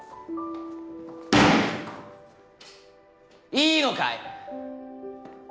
いいのかい！？